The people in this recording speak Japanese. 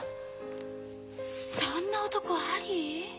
そんな男あり？